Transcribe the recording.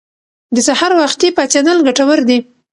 د سهار وختي پاڅیدل ګټور دي.